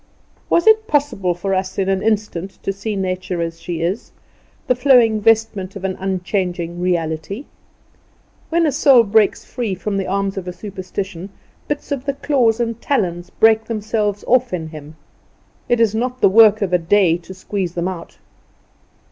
Was it possible for us in an instant to see Nature as she is the flowing vestment of an unchanging reality? When the soul breaks free from the arms of a superstition, bits of the claws and talons break themselves off in him. It is not the work of a day to squeeze them out.